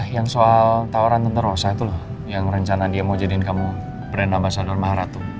yang soal tawaran tenterosa itu loh yang rencana dia mau jadiin kamu brand ambasador maharatu